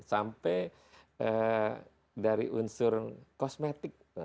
sampai dari unsur kosmetik